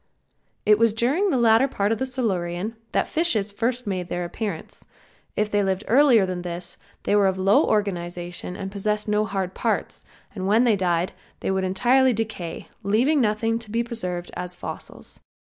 It was during the latter part of the Silurian that fishes first made their appearance. If they lived earlier than this they were of low organization and possessed no hard parts, and when they died they would entirely decay, leaving nothing to be preserved as fossils.